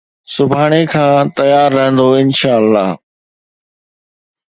سڀاڻي کان تيار رهو، انشاءَ الله